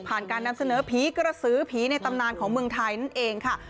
การนำเสนอผีกระสือผีในตำนานของเมืองไทยนั่นเองค่ะ